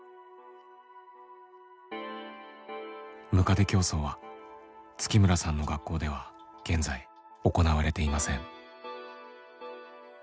むかで競走は月村さんの学校では現在行われていません。